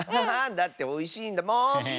だっておいしいんだもん！